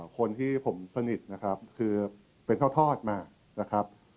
คนที่ผมสนิทนะครับคือเป็นข้าวทอดมานะครับ